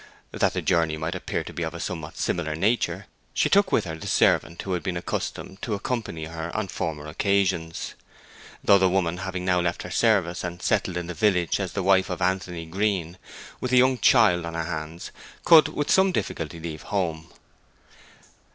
That the journey might appear to be of a somewhat similar nature she took with her the servant who had been accustomed to accompany her on former occasions, though the woman, having now left her service, and settled in the village as the wife of Anthony Green, with a young child on her hands, could with some difficulty leave home.